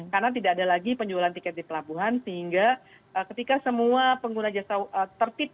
karena tidak ada lagi penjualan tiket di pelabuhan sehingga ketika semua pengguna jasa tertib